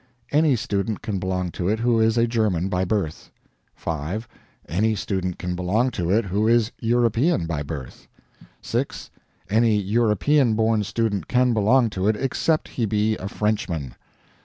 Any student can belong to it who is a German by birth. 5. Any student can belong to it who is European by birth. 6. Any European born student can belong to it, except he be a Frenchman.